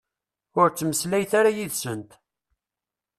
Ur ttmeslayet ara yid-sent.